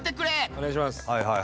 お願いします。